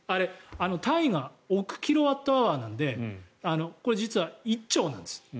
単位が億キロワットアワーなのでこれ、実は１兆なんです。